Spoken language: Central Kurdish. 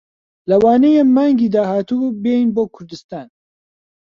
لەوانەیە مانگی داهاتوو بێین بۆ کوردستان.